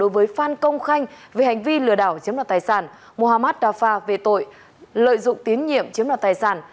với phan công khanh về hành vi lừa đảo chiếm đoạt tài sản mohammad dafa về tội lợi dụng tín nhiệm chiếm đoạt tài sản